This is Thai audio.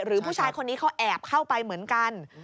ผู้ชายคนนี้เขาแอบเข้าไปเหมือนกัน